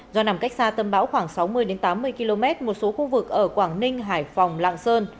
do nằm cách xa tâm bão khoảng sáu mươi tám mươi km một số khu vực ở quảng ninh hải phòng lạng sơn